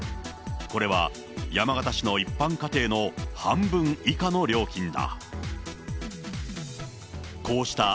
これは山形市の一般家庭の半分以下の料金だ。